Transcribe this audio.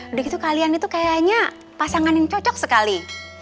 udah gitu kalian itu kayaknya pasangan yang cocok sekali